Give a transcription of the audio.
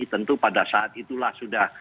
tentu pada saat itulah sudah